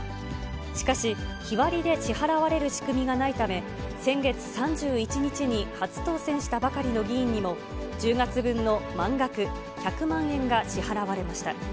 しかし、日割りで支払われる仕組みがないため、先月３１日に初当選したばかりの議員にも、１０月分の満額１００万円が支払われました。